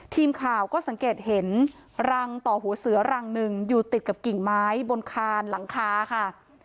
ทีมข่าวก็สังเกตเห็นรังต่อหัวเสือรังหนึ่งอยู่ติดกับกิ่งไม้บนคานหลังคาค่ะ